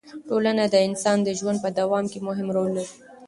ټولنه د انسان د ژوند په دوام کې مهم رول لري.